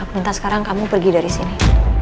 minta sekarang kamu pergi dari sini